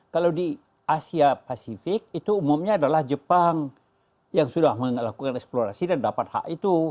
kalau di asia pasifik itu umumnya adalah jepang yang sudah melakukan eksplorasi dan dapat hak itu